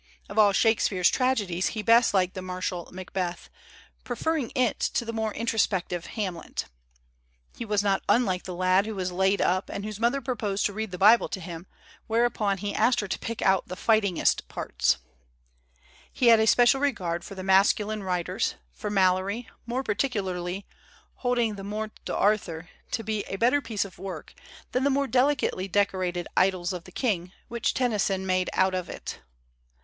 Of all Shakspere's tragedies he best liked the martial 'Macbeth/ preferring it to the more introspective 'Hamlet/ He was not unlike the lad who was l;uM up and whose mother proposed to read the Bible to him, whereupon he asked her to pick out "the fight ingest parts." He had a special regard for the masculine writers, for Malory, more particu 239 THEODORE ROOSEVELT AS A MAN OF LETTERS larly, holding the 'Morte d' Arthur' to be a bet ter piece of work than the more delicately deco rated 'Idylls of the King' which Tennyson made out of it.